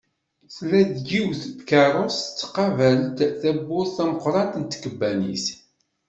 Tella deg yiwet tkerrust tettqabal-d tawwurt tameqqrant n tkebbanit.